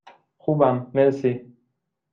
خوبم، مرسی.